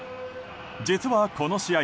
実はこの試合